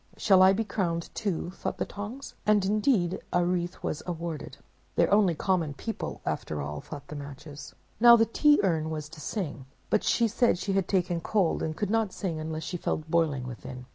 'Shall I be crowned too?' thought the Tongs; and indeed a wreath was awarded. "'They're only common people, after all!' thought the Matches. "Now the Tea Urn was to sing; but she said she had taken cold and could not sing unless she felt boiling within.